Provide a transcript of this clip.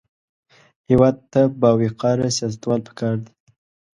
هېواد ته باوقاره سیاستوال پکار دي